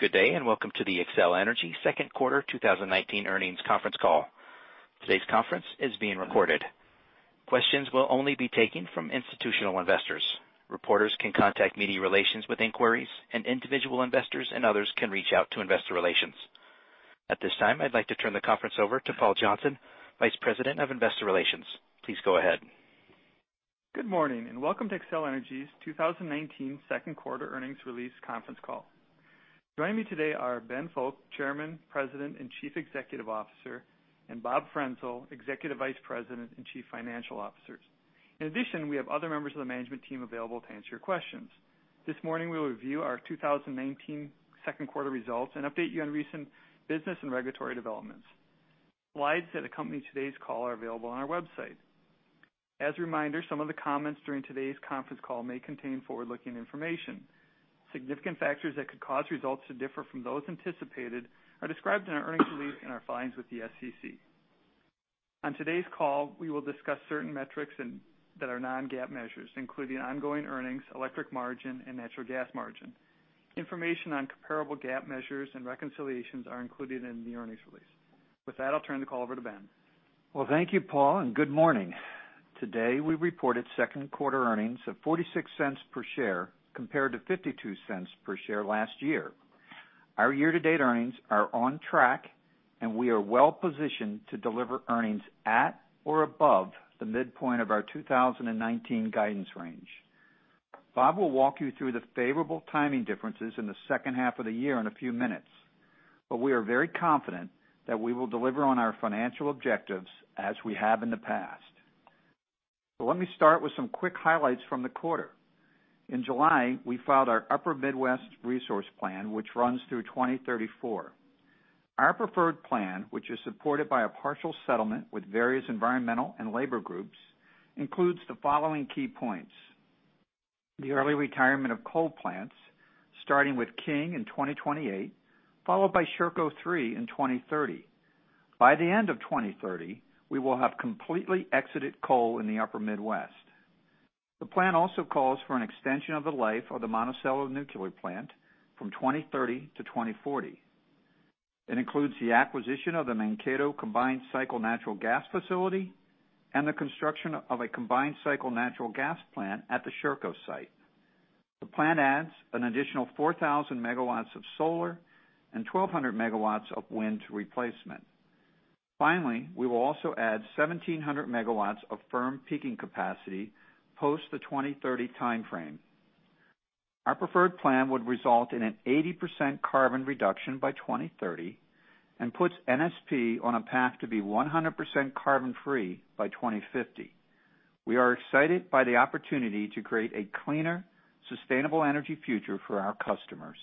Good day, and welcome to the Xcel Energy second quarter 2019 earnings conference call. Today's conference is being recorded. Questions will only be taken from institutional investors. Reporters can contact media relations with inquiries, and individual investors and others can reach out to investor relations. At this time, I'd like to turn the conference over to Paul Johnson, Vice President of Investor Relations. Please go ahead. Good morning. Welcome to Xcel Energy's 2019 second quarter earnings release conference call. Joining me today are Ben Fowke, Chairman, President, and Chief Executive Officer, and Bob Frenzel, Executive Vice President and Chief Financial Officer. In addition, we have other members of the management team available to answer your questions. This morning, we will review our 2019 second quarter results and update you on recent business and regulatory developments. Slides that accompany today's call are available on our website. As a reminder, some of the comments during today's conference call may contain forward-looking information. Significant factors that could cause results to differ from those anticipated are described in our earnings release and our filings with the SEC. On today's call, we will discuss certain metrics that are non-GAAP measures, including ongoing earnings, electric margin, and natural gas margin. Information on comparable GAAP measures and reconciliations are included in the earnings release. With that, I'll turn the call over to Ben. Thank you, Paul, and good morning. Today, we reported second quarter earnings of $0.46 per share, compared to $0.52 per share last year. Our year-to-date earnings are on track, and we are well-positioned to deliver earnings at or above the midpoint of our 2019 guidance range. Bob will walk you through the favorable timing differences in the second half of the year in a few minutes, but we are very confident that we will deliver on our financial objectives as we have in the past. Let me start with some quick highlights from the quarter. In July, we filed our Upper Midwest Resource Plan, which runs through 2034. Our preferred plan, which is supported by a partial settlement with various environmental and labor groups, includes the following key points. The early retirement of coal plants, starting with King in 2028, followed by Sherco 3 in 2030. By the end of 2030, we will have completely exited coal in the Upper Midwest. The plan also calls for an extension of the life of the Monticello Nuclear Plant from 2030 to 2040. It includes the acquisition of the Mankato combined-cycle natural gas facility and the construction of a combined-cycle natural gas plant at the Sherco site. The plan adds an additional 4,000 megawatts of solar and 1,200 megawatts of wind replacement. Finally, we will also add 1,700 megawatts of firm peaking capacity post the 2030 timeframe. Our preferred plan would result in an 80% carbon reduction by 2030 and puts NSP on a path to be 100% carbon-free by 2050. We are excited by the opportunity to create a cleaner, sustainable energy future for our customers.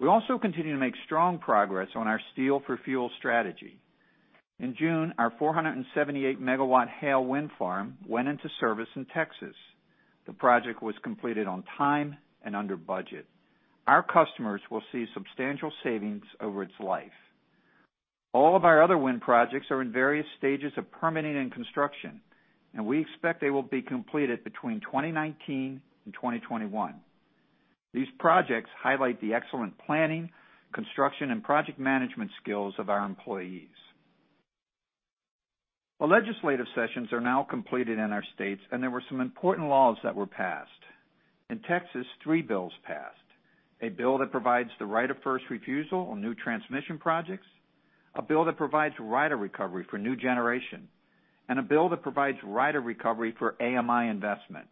We also continue to make strong progress on our Steel for Fuel strategy. In June, our 478-megawatt Hale Wind Farm went into service in Texas. The project was completed on time and under budget. Our customers will see substantial savings over its life. All of our other wind projects are in various stages of permitting and construction, and we expect they will be completed between 2019 and 2021. These projects highlight the excellent planning, construction, and project management skills of our employees. Well, legislative sessions are now completed in our states, and there were some important laws that were passed. In Texas, three bills passed. A bill that provides the right of first refusal on new transmission projects, a bill that provides rider recovery for new generation, and a bill that provides rider recovery for AMI investment.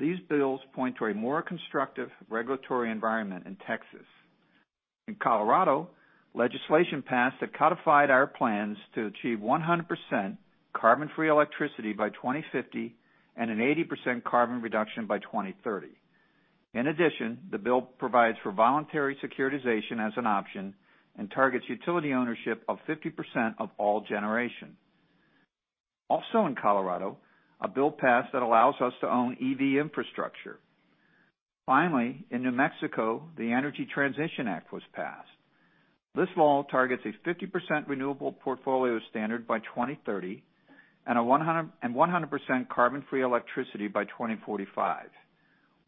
These bills point to a more constructive regulatory environment in Texas. In Colorado, legislation passed that codified our plans to achieve 100% carbon-free electricity by 2050 and an 80% carbon reduction by 2030. In addition, the bill provides for voluntary securitization as an option and targets utility ownership of 50% of all generation. Also in Colorado, a bill passed that allows us to own EV infrastructure. In New Mexico, the Energy Transition Act was passed. This law targets a 50% renewable portfolio standard by 2030 and 100% carbon-free electricity by 2045.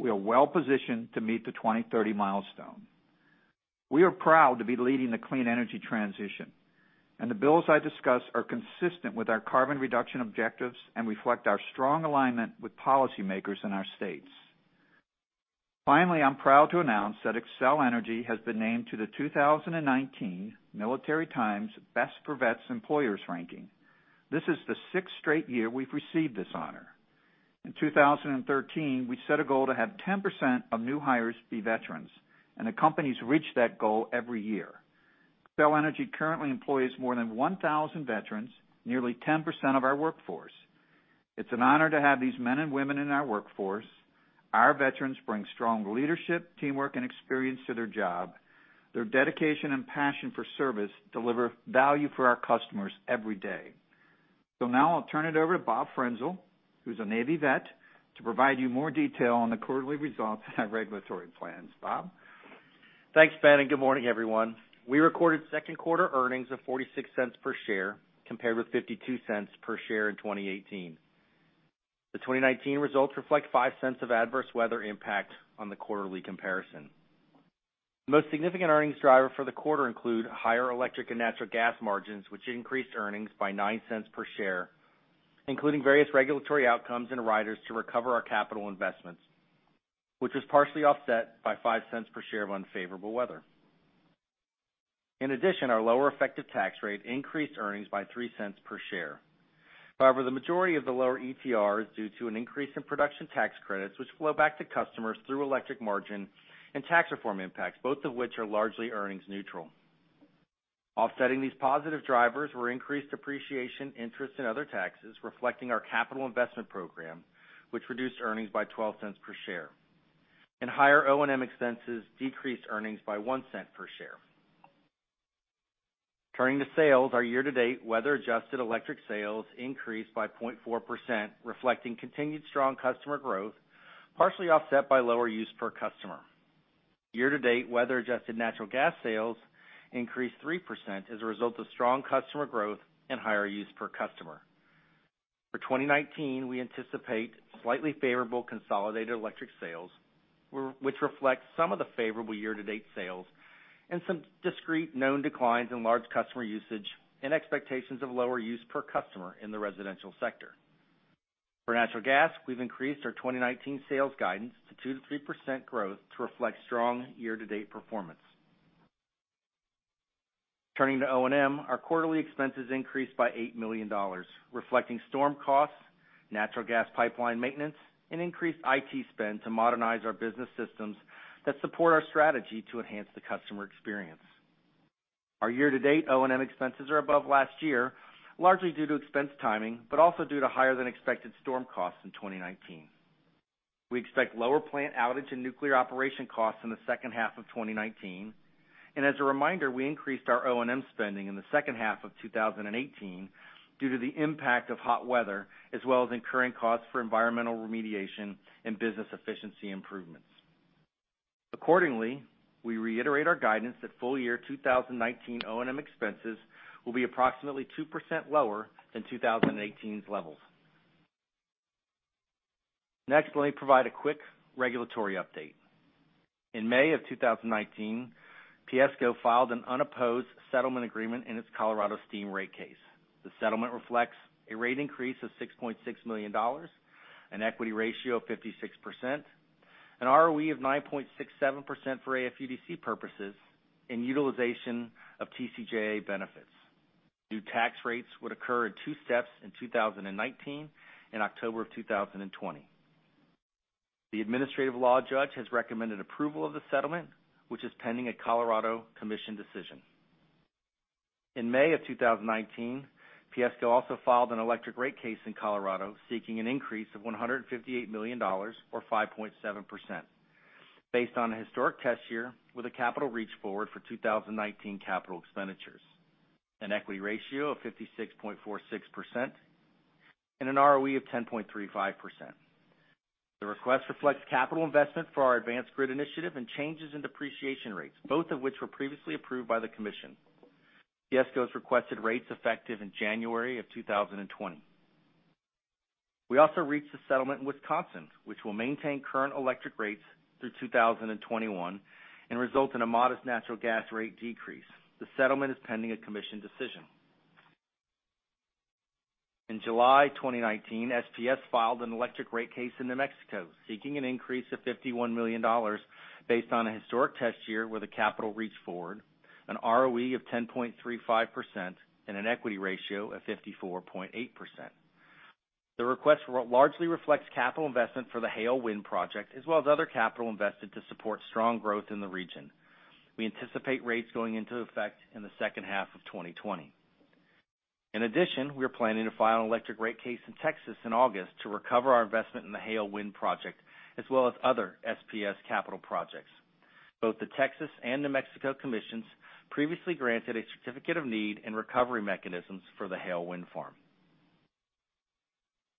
We are well-positioned to meet the 2030 milestone. We are proud to be leading the clean energy transition, and the bills I discussed are consistent with our carbon reduction objectives and reflect our strong alignment with policymakers in our states. I'm proud to announce that Xcel Energy has been named to the 2019 Military Times Best for Vets employers ranking. This is the sixth straight year we've received this honor. In 2013, we set a goal to have 10% of new hires be veterans, and the company's reached that goal every year. Xcel Energy currently employs more than 1,000 veterans, nearly 10% of our workforce. It's an honor to have these men and women in our workforce. Our veterans bring strong leadership, teamwork, and experience to their job. Their dedication and passion for service deliver value for our customers every day. Now I'll turn it over to Bob Frenzel, who's a Navy vet, to provide you more detail on the quarterly results and regulatory plans. Bob? Thanks, Ben, and good morning, everyone. We recorded second quarter earnings of $0.46 per share, compared with $0.52 per share in 2018. The 2019 results reflect $0.05 of adverse weather impact on the quarterly comparison. The most significant earnings driver for the quarter include higher electric and natural gas margins, which increased earnings by $0.09 per share, including various regulatory outcomes and riders to recover our capital investments, which was partially offset by $0.05 per share of unfavorable weather. Our lower effective tax rate increased earnings by $0.03 per share. The majority of the lower ETR is due to an increase in production tax credits, which flow back to customers through electric margin and tax reform impacts, both of which are largely earnings neutral. Offsetting these positive drivers were increased depreciation interest and other taxes reflecting our capital investment program, which reduced earnings by $0.12 per share, and higher O&M expenses decreased earnings by $0.01 per share. Turning to sales, our year-to-date weather-adjusted electric sales increased by 0.4%, reflecting continued strong customer growth, partially offset by lower use per customer. Year-to-date weather-adjusted natural gas sales increased 3% as a result of strong customer growth and higher use per customer. For 2019, we anticipate slightly favorable consolidated electric sales, which reflects some of the favorable year-to-date sales and some discrete known declines in large customer usage and expectations of lower use per customer in the residential sector. For natural gas, we've increased our 2019 sales guidance to 2%-3% growth to reflect strong year-to-date performance. Turning to O&M, our quarterly expenses increased by $8 million, reflecting storm costs, natural gas pipeline maintenance, and increased IT spend to modernize our business systems that support our strategy to enhance the customer experience. Our year-to-date O&M expenses are above last year, largely due to expense timing, but also due to higher than expected storm costs in 2019. We expect lower plant outage and nuclear operation costs in the second half of 2019. As a reminder, we increased our O&M spending in the second half of 2018 due to the impact of hot weather, as well as incurring costs for environmental remediation and business efficiency improvements. Accordingly, we reiterate our guidance that full year 2019 O&M expenses will be approximately 2% lower than 2018's levels. Next, let me provide a quick regulatory update. In May of 2019, PSCO filed an unopposed settlement agreement in its Colorado steam rate case. The settlement reflects a rate increase of $6.6 million, an equity ratio of 56%, an ROE of 9.67% for AFUDC purposes, and utilization of TCJA benefits. New tax rates would occur in two steps in 2019 and October of 2020. The administrative law judge has recommended approval of the settlement, which is pending a Colorado Commission decision. In May of 2019, PSCO also filed an electric rate case in Colorado, seeking an increase of $158 million, or 5.7%, based on a historic test year with a capital reach forward for 2019 capital expenditures, an equity ratio of 56.46%, and an ROE of 10.35%. The request reflects capital investment for our Advanced Grid Initiative and changes in depreciation rates, both of which were previously approved by the Commission. PSCO's requested rates effective in January of 2020. We also reached a settlement in Wisconsin, which will maintain current electric rates through 2021 and result in a modest natural gas rate decrease. The settlement is pending a Commission decision. In July 2019, SPS filed an electric rate case in New Mexico, seeking an increase of $51 million based on a historic test year with a capital reach forward, an ROE of 10.35%, and an equity ratio of 54.8%. The request largely reflects capital investment for the Hale Wind project, as well as other capital invested to support strong growth in the region. We anticipate rates going into effect in the second half of 2020. In addition, we are planning to file an electric rate case in Texas in August to recover our investment in the Hale Wind project, as well as other SPS capital projects. Both the Texas and New Mexico commissions previously granted a certificate of need and recovery mechanisms for the Hale Wind project.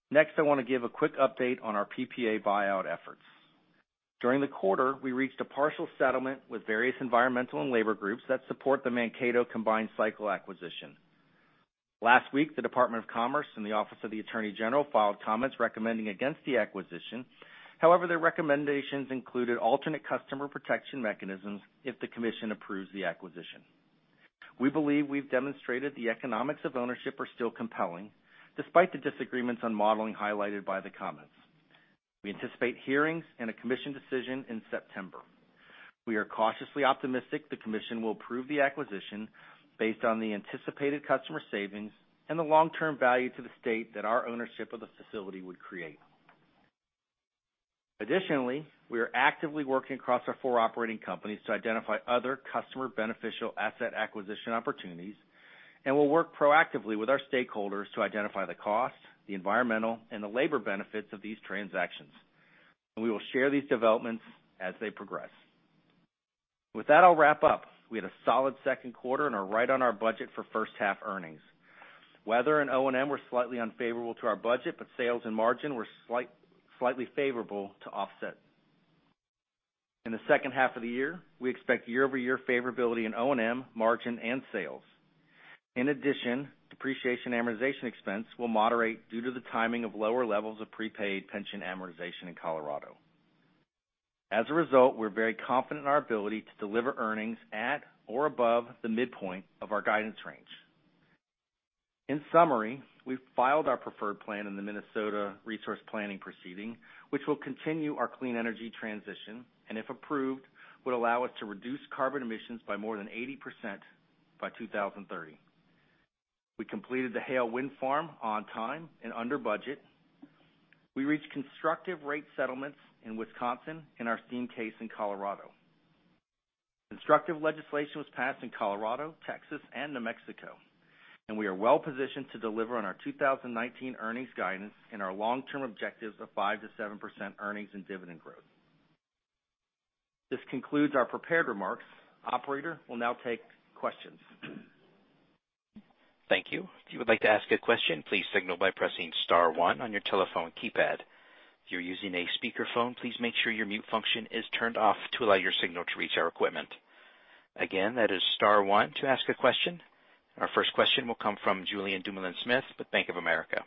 Next, I want to give a quick update on our PPA buyout efforts. During the quarter, we reached a partial settlement with various environmental and labor groups that support the Mankato combined cycle acquisition. Last week, the Department of Commerce and the Office of the Attorney General filed comments recommending against the acquisition. However, their recommendations included alternate customer protection mechanisms if the Commission approves the acquisition. We believe we've demonstrated the economics of ownership are still compelling, despite the disagreements on modeling highlighted by the comments. We anticipate hearings and a Commission decision in September. We are cautiously optimistic the Commission will approve the acquisition based on the anticipated customer savings and the long-term value to the state that our ownership of the facility would create. Additionally, we are actively working across our four operating companies to identify other customer-beneficial asset acquisition opportunities, and we'll work proactively with our stakeholders to identify the cost, the environmental, and the labor benefits of these transactions, and we will share these developments as they progress. With that, I'll wrap up. We had a solid second quarter and are right on our budget for first-half earnings. Weather and O&M were slightly unfavorable to our budget, but sales and margin were slightly favorable to offset. In the second half of the year, we expect year-over-year favorability in O&M margin and sales. In addition, depreciation amortization expense will moderate due to the timing of lower levels of prepaid pension amortization in Colorado. As a result, we're very confident in our ability to deliver earnings at or above the midpoint of our guidance range. In summary, we've filed our preferred plan in the Minnesota Resource Plan proceeding, which will continue our clean energy transition, and if approved, would allow us to reduce carbon emissions by more than 80% by 2030. We completed the Hale Wind Farm on time and under budget. We reached constructive rate settlements in Wisconsin in our steam case in Colorado. Constructive legislation was passed in Colorado, Texas, and New Mexico. We are well-positioned to deliver on our 2019 earnings guidance and our long-term objectives of 5%-7% earnings and dividend growth. This concludes our prepared remarks. Operator, we'll now take questions. Thank you. If you would like to ask a question, please signal by pressing star one on your telephone keypad. If you are using a speakerphone, please make sure your mute function is turned off to allow your signal to reach our equipment. Again, that is star one to ask a question. Our first question will come from Julien Dumoulin-Smith with Bank of America.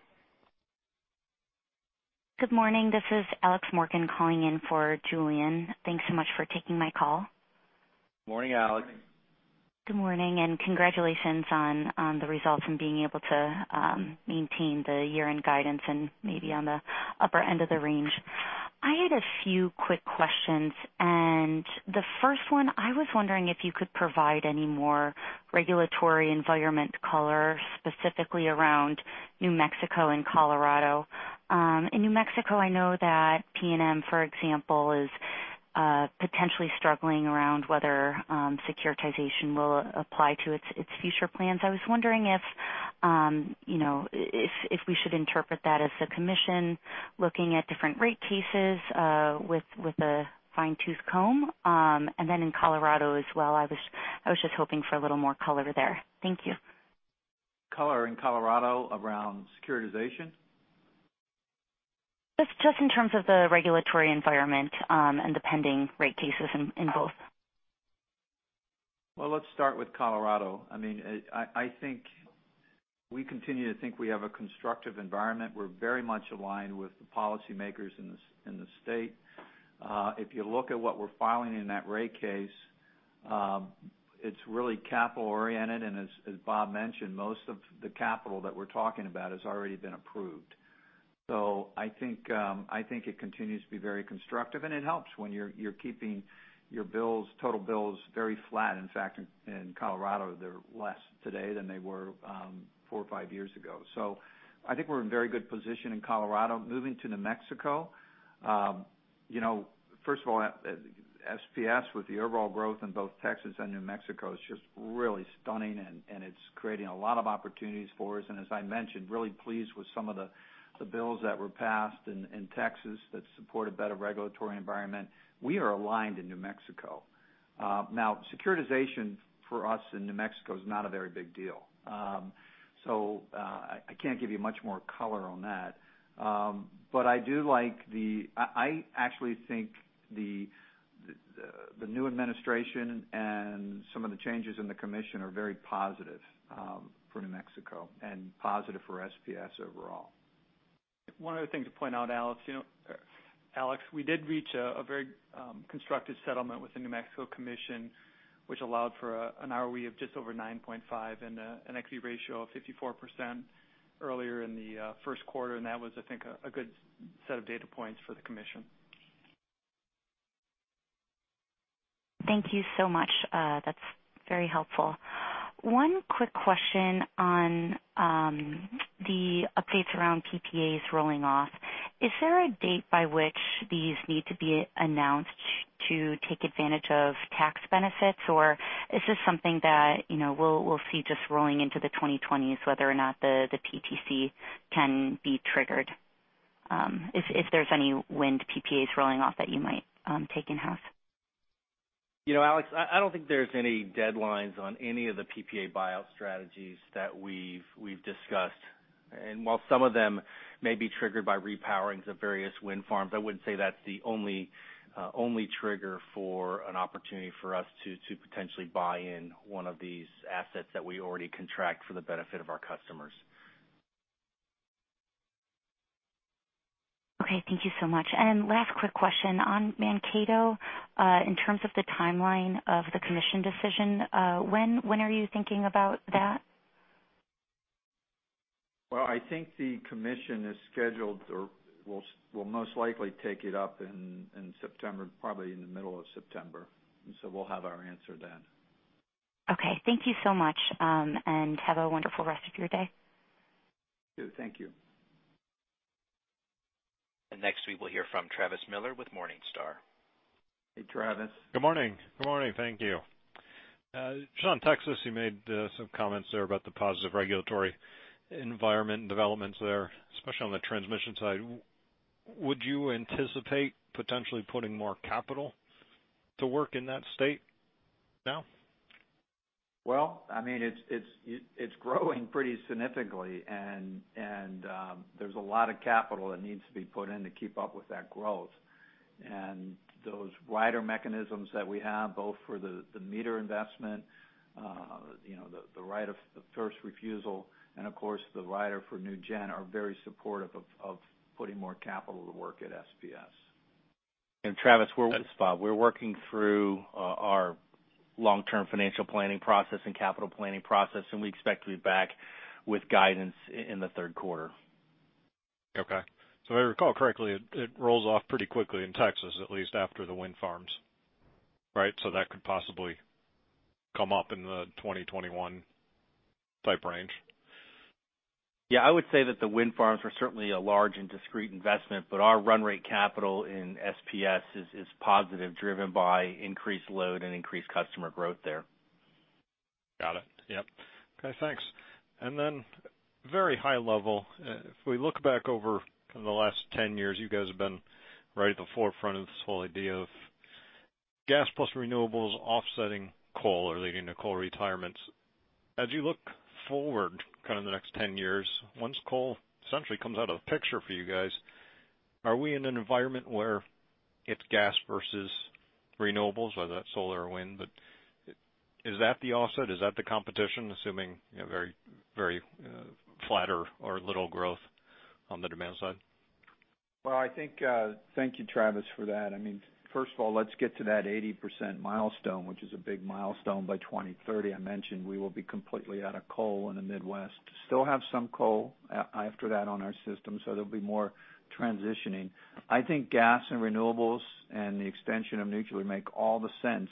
Good morning. This is Alex Morgan calling in for Julien. Thanks so much for taking my call. Morning, Alex. Good morning. Congratulations on the results and being able to maintain the year-end guidance and maybe on the upper end of the range. I had a few quick questions. The first one, I was wondering if you could provide any more regulatory environment color, specifically around New Mexico and Colorado. In New Mexico, I know that PNM, for example, is potentially struggling around whether securitization will apply to its future plans. I was wondering if we should interpret that as the commission looking at different rate cases with a fine-tooth comb. In Colorado as well, I was just hoping for a little more color there. Thank you. Color in Colorado around securitization? Just in terms of the regulatory environment, and the pending rate cases in both. Let's start with Colorado. We continue to think we have a constructive environment. We're very much aligned with the policymakers in the state. If you look at what we're filing in that rate case, it's really capital-oriented, and as Bob mentioned, most of the capital that we're talking about has already been approved. I think it continues to be very constructive, and it helps when you're keeping your total bills very flat. In fact, in Colorado, they're less today than they were four or five years ago. I think we're in a very good position in Colorado. Moving to New Mexico. First of all, SPS with the overall growth in both Texas and New Mexico is just really stunning, and it's creating a lot of opportunities for us, and as I mentioned, really pleased with some of the bills that were passed in Texas that support a better regulatory environment. We are aligned in New Mexico. Now, securitization for us in New Mexico is not a very big deal. I can't give you much more color on that. I actually think the new administration and some of the changes in the commission are very positive for New Mexico and positive for SPS overall. One other thing to point out, Alex. We did reach a very constructive settlement with the New Mexico Commission, which allowed for an ROE of just over 9.5% and an equity ratio of 54% earlier in the first quarter, and that was, I think, a good set of data points for the commission. Thank you so much. That's very helpful. One quick question on the updates around PPAs rolling off. Is there a date by which these need to be announced to take advantage of tax benefits, or is this something that we'll see just rolling into the 2020s, whether or not the PTC can be triggered, if there's any wind PPAs rolling off that you might take in-house? Alex, I don't think there's any deadlines on any of the PPA buyout strategies that we've discussed. While some of them may be triggered by repowerings of various wind farms, I wouldn't say that's the only trigger for an opportunity for us to potentially buy in one of these assets that we already contract for the benefit of our customers. Okay. Thank you so much. Last quick question on Mankato, in terms of the timeline of the commission decision, when are you thinking about that? Well, I think the commission will most likely take it up in September, probably in the middle of September. We'll have our answer then. Okay. Thank you so much, and have a wonderful rest of your day. Thank you. Next we will hear from Travis Miller with Morningstar. Hey, Travis. Good morning. Thank you. In Texas, you made some comments there about the positive regulatory environment and developments there, especially on the transmission side. Would you anticipate potentially putting more capital to work in that state now? It's growing pretty significantly, and there's a lot of capital that needs to be put in to keep up with that growth. Those rider mechanisms that we have, both for the meter investment, the right of first refusal, and of course, the rider for new gen, are very supportive of putting more capital to work at SPS. Travis, we're working through our long-term financial planning process and capital planning process, and we expect to be back with guidance in the third quarter. Okay. If I recall correctly, it rolls off pretty quickly in Texas, at least after the wind farms. Right? That could possibly come up in the 2021 type range. Yeah, I would say that the wind farms are certainly a large and discrete investment, but our run rate capital in SPS is positive, driven by increased load and increased customer growth there. Got it. Yep. Okay, thanks. Very high level, if we look back over the last 10 years, you guys have been right at the forefront of this whole idea of gas plus renewables offsetting coal or leading to coal retirements. As you look forward kind of the next 10 years, once coal essentially comes out of the picture for you guys, are we in an environment where it's gas versus renewables, whether that's solar or wind? Is that the offset? Is that the competition, assuming very flatter or little growth on the demand side? Well, thank you, Travis, for that. First of all, let's get to that 80% milestone, which is a big milestone by 2030. I mentioned we will be completely out of coal in the Midwest. Still have some coal after that on our system. There'll be more transitioning. I think gas and renewables and the extension of nuclear make all the sense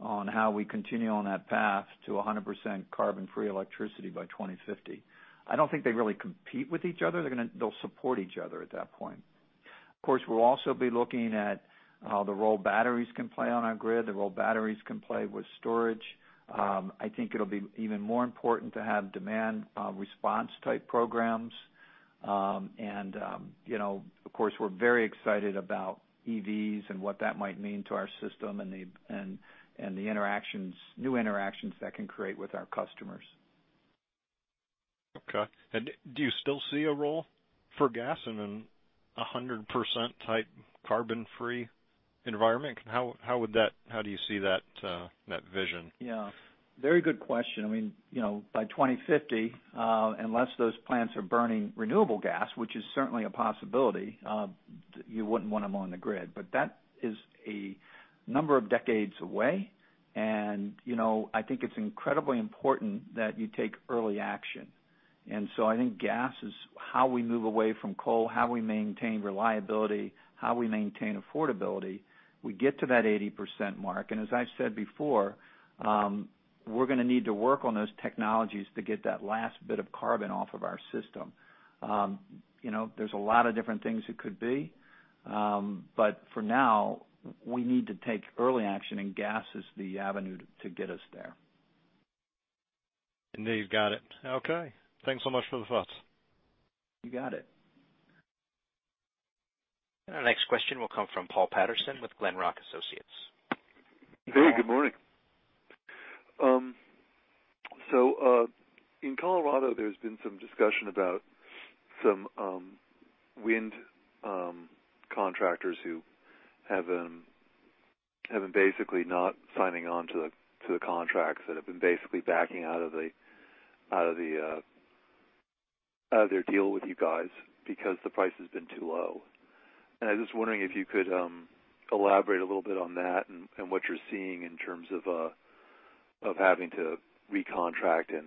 on how we continue on that path to 100% carbon-free electricity by 2050. I don't think they really compete with each other. They'll support each other at that point. Of course, we'll also be looking at the role batteries can play on our grid, the role batteries can play with storage. I think it'll be even more important to have demand response type programs. Of course, we're very excited about EVs and what that might mean to our system and the new interactions that can create with our customers. Okay. Do you still see a role for gas in an 100% type carbon-free environment? How do you see that vision? Yeah. Very good question. By 2050, unless those plants are burning renewable gas, which is certainly a possibility, you wouldn't want them on the grid. That is a number of decades away, and I think it's incredibly important that you take early action. I think gas is how we move away from coal, how we maintain reliability, how we maintain affordability. We get to that 80% mark, and as I've said before, we're going to need to work on those technologies to get that last bit of carbon off of our system. There's a lot of different things it could be. For now, we need to take early action, and gas is the avenue to get us there. Indeed. Got it. Okay. Thanks so much for the thoughts. You got it. Our next question will come from Paul Patterson with Glenrock Associates. Hey. Good morning. In Colorado, there's been some discussion about some wind contractors who have been basically not signing on to the contracts, that have been basically backing out of their deal with you guys because the price has been too low. I was just wondering if you could elaborate a little bit on that and what you're seeing in terms of having to recontract and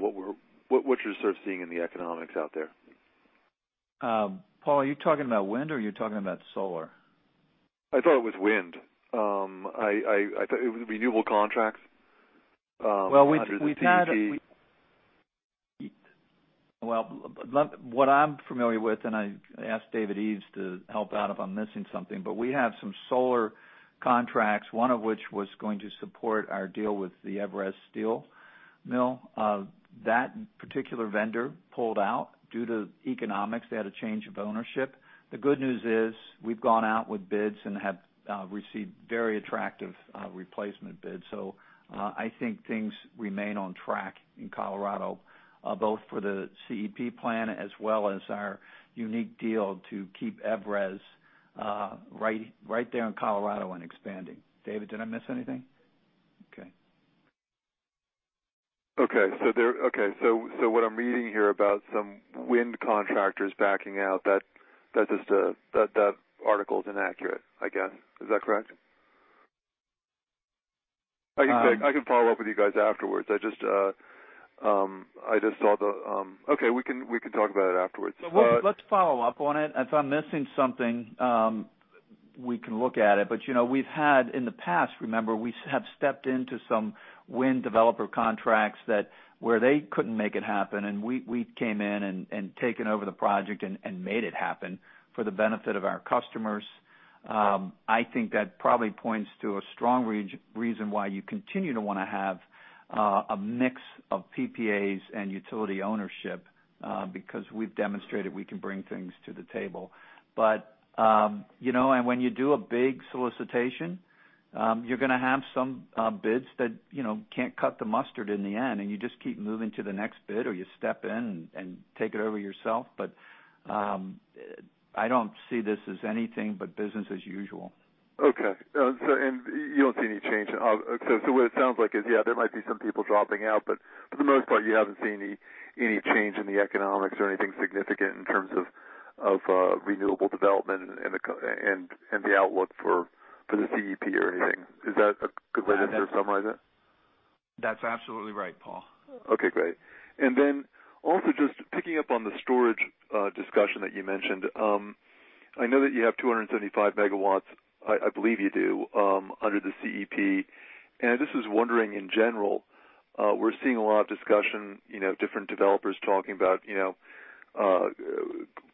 what you're seeing in the economics out there. Paul, are you talking about wind or are you talking about solar? I thought it was wind. I thought it was renewable contracts under the CEP. What I'm familiar with, and I ask David Eves to help out if I'm missing something, but we have some solar contracts, one of which was going to support our deal with the EVRAZ steel mill. That particular vendor pulled out due to economics. They had a change of ownership. The good news is we've gone out with bids and have received very attractive replacement bids. I think things remain on track in Colorado, both for the CEP plan as well as our unique deal to keep EVRAZ right there in Colorado and expanding. David, did I miss anything? Okay. What I'm reading here about some wind contractors backing out, that article's inaccurate, I guess. Is that correct? I can follow up with you guys afterwards. We can talk about it afterwards. Let's follow up on it. If I'm missing something, we can look at it. In the past, remember, we have stepped into some wind developer contracts where they couldn't make it happen, and we came in and taken over the project and made it happen for the benefit of our customers. I think that probably points to a strong reason why you continue to want to have a mix of PPAs and utility ownership, because we've demonstrated we can bring things to the table. When you do a big solicitation, you're going to have some bids that can't cut the mustard in the end, and you just keep moving to the next bid, or you step in and take it over yourself. I don't see this as anything but business as usual. Okay. You don't see any change. What it sounds like is, yeah, there might be some people dropping out, but for the most part, you haven't seen any change in the economics or anything significant in terms of renewable development and the outlook for the CEP or anything. Is that a good way to sort of summarize it? That's absolutely right, Paul. Okay, great. Also just picking up on the storage discussion that you mentioned. I know that you have 275 MW, I believe you do, under the CEP. I just was wondering in general, we're seeing a lot of discussion, different developers talking about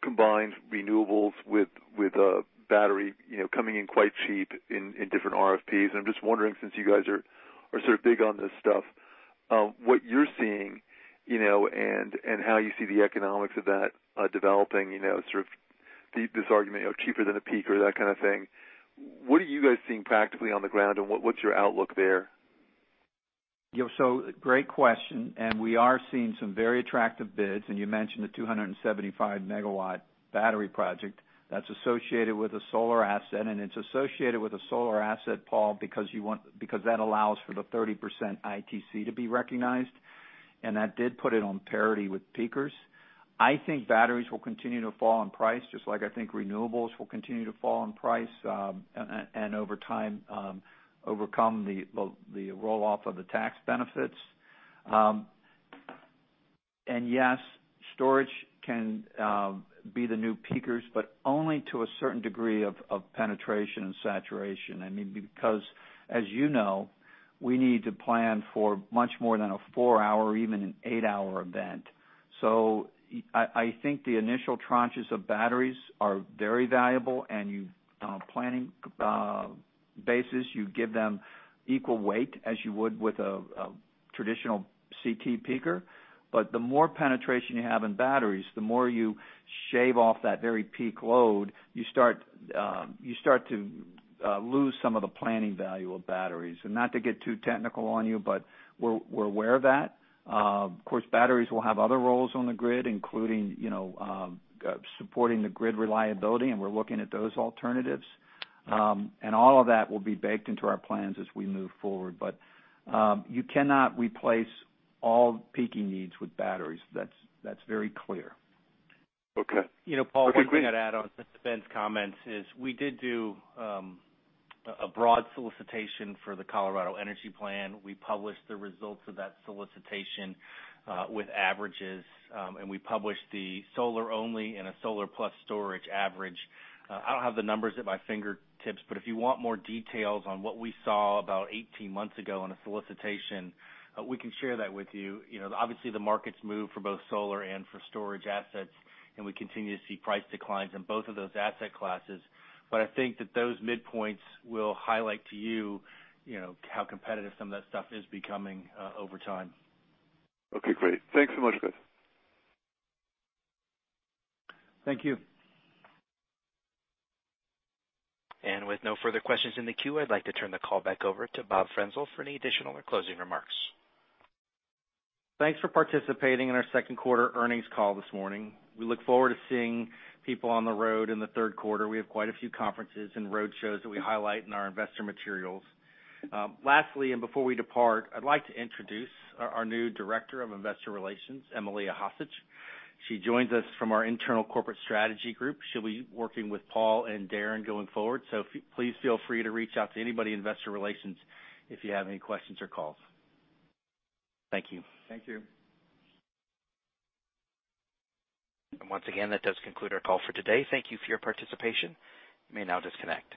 combined renewables with battery coming in quite cheap in different RFPs. I'm just wondering, since you guys are sort of big on this stuff, what you're seeing, and how you see the economics of that developing, sort of this argument of cheaper than a peak or that kind of thing. What are you guys seeing practically on the ground, and what's your outlook there? Yeah, great question. We are seeing some very attractive bids. You mentioned the 275 megawatt battery project that's associated with a solar asset, Paul, because that allows for the 30% ITC to be recognized. That did put it on parity with peakers. I think batteries will continue to fall in price, just like I think renewables will continue to fall in price, and over time, overcome the roll-off of the tax benefits. Yes, storage can be the new peakers, but only to a certain degree of penetration and saturation. I mean, because as you know, we need to plan for much more than a four-hour or even an eight-hour event. I think the initial tranches of batteries are very valuable, and on a planning basis, you give them equal weight as you would with a traditional CT peaker. The more penetration you have in batteries, the more you shave off that very peak load, you start to lose some of the planning value of batteries. Not to get too technical on you, but we're aware of that. Of course, batteries will have other roles on the grid, including supporting the grid reliability, and we're looking at those alternatives. All of that will be baked into our plans as we move forward. You cannot replace all peaking needs with batteries. That's very clear. Okay. Paul, one thing I'd add on to Ben's comments is we did do a broad solicitation for the Colorado Energy Plan. We published the results of that solicitation with averages, and we published the solar only and a solar plus storage average. I don't have the numbers at my fingertips, but if you want more details on what we saw about 18 months ago on a solicitation, we can share that with you. Obviously, the market's moved for both solar and for storage assets, and we continue to see price declines in both of those asset classes. I think that those midpoints will highlight to you how competitive some of that stuff is becoming over time. Okay, great. Thanks so much, guys. Thank you. With no further questions in the queue, I'd like to turn the call back over to Bob Frenzel for any additional or closing remarks. Thanks for participating in our second quarter earnings call this morning. We look forward to seeing people on the road in the third quarter. We have quite a few conferences and road shows that we highlight in our investor materials. Lastly, before we depart, I'd like to introduce our new Director of Investor Relations, Emilia Hasic. She joins us from our internal corporate strategy group. She'll be working with Paul and Darren going forward, so please feel free to reach out to anybody in investor relations if you have any questions or calls. Thank you. Thank you. Once again, that does conclude our call for today. Thank you for your participation. You may now disconnect.